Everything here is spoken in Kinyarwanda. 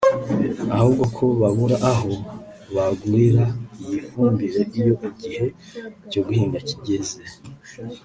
ahubwo ko babura aho bagurira iyi fumbire iyo igihe cyo guhinga kigeze